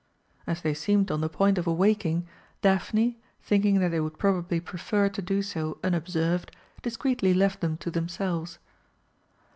As they seemed on the point of awaking, Daphne, thinking that they would probably prefer to do so unobserved, discreetly left them to themselves.